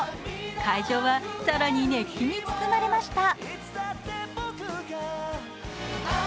会場は更に熱気に包まれました。